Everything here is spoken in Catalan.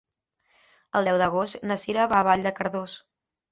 El deu d'agost na Cira va a Vall de Cardós.